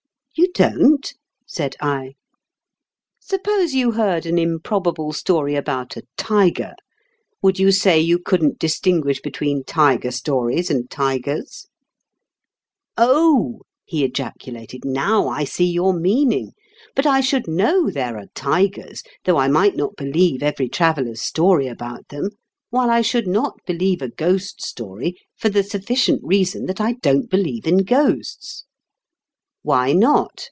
"You don't?" said L "Suppose you 168 IN KENT WITH CHARLES DICKENS. heard an improbable story about a tiger, would you say you couldn't distinguish between tiger stories and tigers ?'*" Oh !" he ejaculated. " Now I see your meaning. But I should know there are tigers, though I might not believe every traveller's story about them ; while I should not believe a ghost story for the sufficient reason that I don't believe in ghosts." "Why not?"